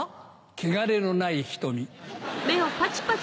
汚れのない瞳。